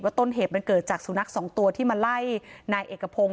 ต้นเหตุมันเกิดจากสุนัขสองตัวที่มาไล่นายเอกพงศ